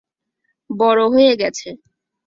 বড়ো হয়ে গেছে।